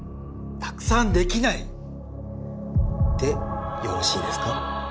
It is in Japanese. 「たくさんできない」でよろしいですか？